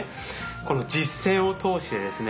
この実践を通してですね